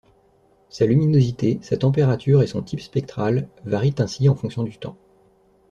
Sa luminosité, sa température et son type spectral varient ainsi en fonction du temps.